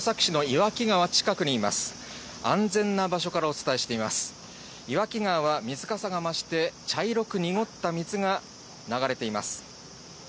岩木川は水かさが増して、茶色く濁った水が流れています。